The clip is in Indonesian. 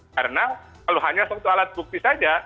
karena kalau hanya satu alat bukti saja